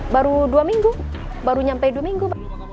baru dua minggu baru nyampe dua minggu